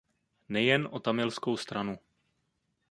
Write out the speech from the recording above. Nejen o tamilskou stranu.